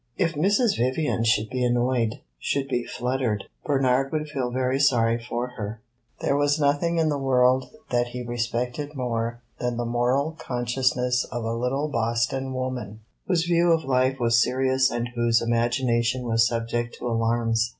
If Mrs. Vivian should be annoyed, should be fluttered, Bernard would feel very sorry for her; there was nothing in the world that he respected more than the moral consciousness of a little Boston woman whose view of life was serious and whose imagination was subject to alarms.